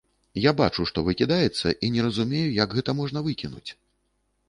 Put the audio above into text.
Я бачу, што выкідаецца, і не разумею, як гэта можна выкінуць.